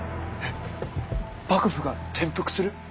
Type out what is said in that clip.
幕府が転覆する？